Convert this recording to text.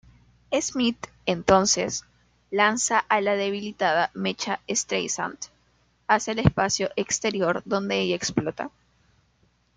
Smith entonces, lanza a la debilitada Mecha-Streisand hacia el espacio exterior, donde ella explota.